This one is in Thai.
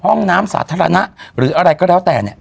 ห้องน้ำสาธารณะหรืออะไรก็แล้วแต่เนี่ย